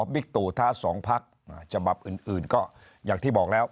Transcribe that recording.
บิกตุท้าสองพักอ่าฉบับอื่นอื่นก็อย่างที่บอกแล้ว